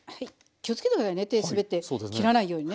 気をつけて下さいね手すべって切らないようにね。